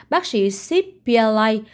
bác sĩ sip pialai